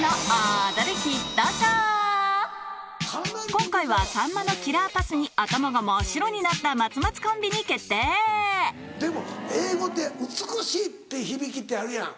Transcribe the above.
今回はさんまのキラーパスに頭が真っ白になったでも英語って美しい！って響きってあるやん。